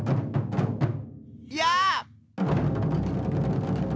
や！